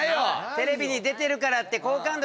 テレビに出てるからって好感度気にするな。